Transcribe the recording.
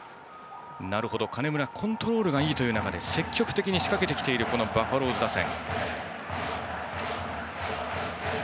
金村、コントロールがいいという中で積極的に仕掛けてきているバファローズ打線。